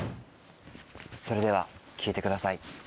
それでは聴いてください。